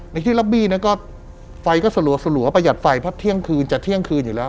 ในที่ร็อบบี้นะก็ไฟก็สะหรับประหยัดไฟพักเที่ยงคืนจัดเที่ยงคืนอยู่แล้ว